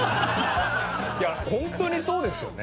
いやホントにそうですよね。